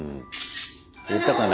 言ったかな？